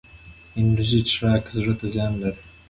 انرژي څښاک زړه ته زیان لري